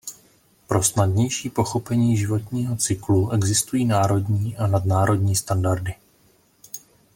Pro snadnější pochopení životního cyklu existují národní a nadnárodní standardy.